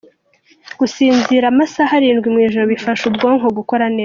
Gusinzira amasaaha Arindwi mu ijoro bifasha ubwonko gukora neza